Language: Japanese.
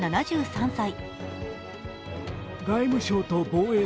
７３歳。